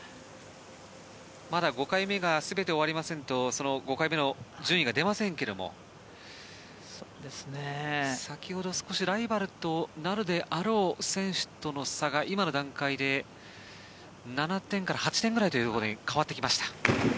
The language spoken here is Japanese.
まだ５回目が全て終わりませんと５回目の順位が出ませんけども先ほど少しライバルになるであろう選手との差が今の段階で７点から８点ぐらいというところに変わってきました。